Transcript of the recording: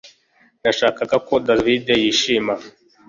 Nashakaga ko David yishima